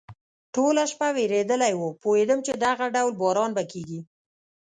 ټوله شپه ورېدلی و، پوهېدم چې دغه ډول باران به کېږي.